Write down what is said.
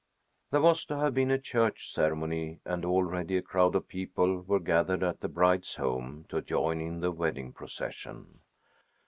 There was to have been a church ceremony, and already a crowd of people were gathered at the bride's home to join in the wedding procession.